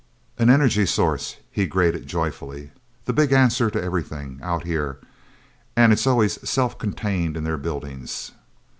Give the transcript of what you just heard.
"An energy source," he grated joyfully. "The Big Answer to Everything, out here! And it's always self contained in their buildings..."